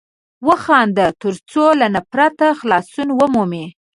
وخانده تر څو له نفرته خلاصون ومومې!